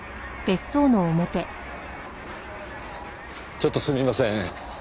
ちょっとすみません。